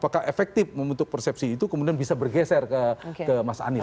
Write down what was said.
dan sehingga itu bisa bergeser ke mas anies